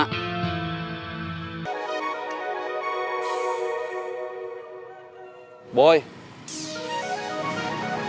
terima kasih buat imponnya